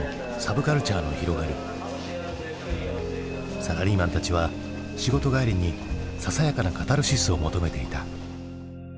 サラリーマンたちは仕事帰りにささやかなカタルシスを求めていた。